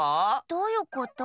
どういうこと？